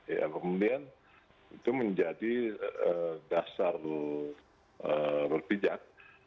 ya kemudian itu menjadi dasar berpijak